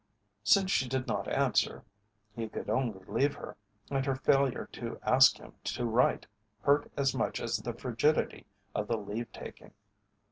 Since she did not answer, he could only leave her, and her failure to ask him to write hurt as much as the frigidity of the leave taking.